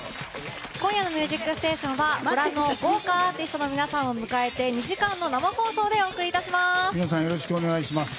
今夜の「ミュージックステーション」はご覧の豪華アーティストの皆さんを迎えて２時間の生放送でお送りします。